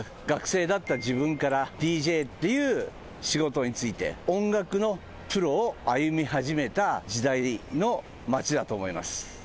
学生だった時分からＤＪっていう仕事に就いて音楽のプロを歩み始めた時代の街だと思います。